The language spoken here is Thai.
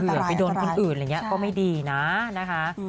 ไปโดนคนอื่นอะไรอย่างนี้ก็ไม่ดีนะนะคะ